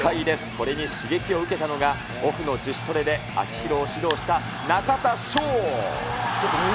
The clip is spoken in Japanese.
これに刺激を受けたのが、オフの自主トレで秋広を指導した中田翔。